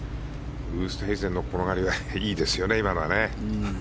ウーストヘイゼンの転がりがいいですね。